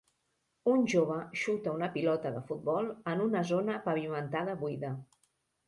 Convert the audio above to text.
Un jove xuta una pilota de futbol en una zona pavimentada buida.